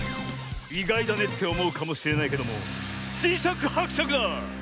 いがいだねっておもうかもしれないけどもじしゃくはくしゃくだ！